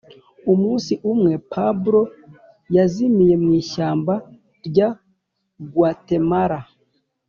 umunsi umwe, pablo yazimiye mu ishyamba rya guatemala.